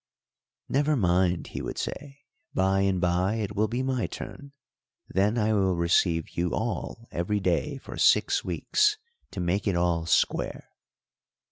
"Never mind," he would say, "by and by it will be my turn; then I will receive you all every day for six weeks to make it all square."